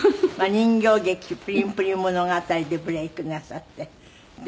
人形劇『プリンプリン物語』でブレークなさってで